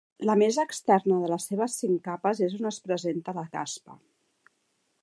La més externa de les seves cinc capes és on es presenta la caspa.